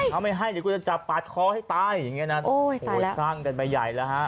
เอาไม่ให้เดี๋ยวกูจะจับปาดคอให้ตายอย่างเงี้นะโอ้โหสร้างกันไปใหญ่แล้วฮะ